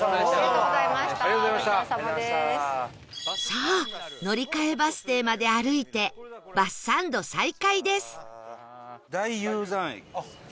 さあ乗り換えバス停まで歩いてバスサンド再開です